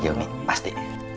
iya umi pasti